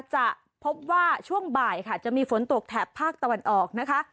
จะพบว่าช่วงบ่ายค่ะจะมีฝนตกแถบภาคตะวันออกนะคะ